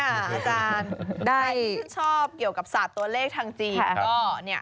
ใครที่ชื่นชอบเกี่ยวกับศาสตร์ตัวเลขทางจีน